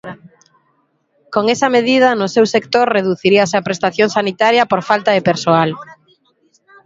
Con esa medida, no seu sector, "reduciríase a prestación sanitaria por falta de persoal".